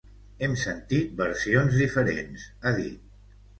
Hem sentit versions diferents, ha dit.